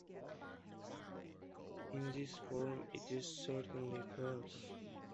In this form it is certainly false.